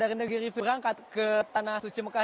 dari negeri berangkat ke tanah suci mekah